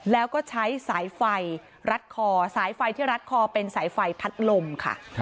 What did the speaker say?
แล้วก็ใช้สายไฟรัดคอสายไฟที่รัดคอเป็นสายไฟพัดลมค่ะ